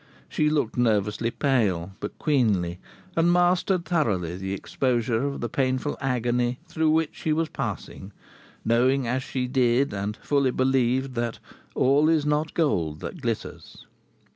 She looked nervously pale, but queenly, and mastered thoroughly the exposure of the painful agony through which she was passing, knowing as she did and fully believed that "all is not gold that glitters."